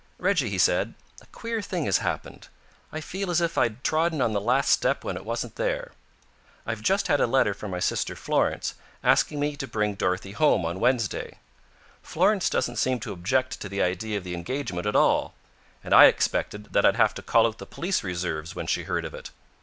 "Reggie," he said, "a queer thing has happened. I feel as if I'd trodden on the last step when it wasn't there. I've just had a letter from my sister Florence asking me to bring Dorothy home on Wednesday. Florence doesn't seem to object to the idea of the engagement at all; and I'd expected that I'd have to call out the police reserves when she heard of it.